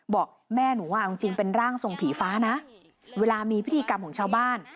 บอกแม่หนูว่าเอาจริงเป็นร่างทรงผีฟ้านะเวลามีพิธีกรรมของชาวบ้าน